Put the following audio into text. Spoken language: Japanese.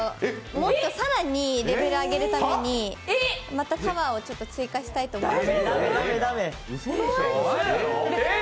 もっと更にレベル上げるためにまたタワーを追加したいと思います。